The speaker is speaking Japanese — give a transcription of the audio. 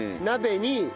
鍋に。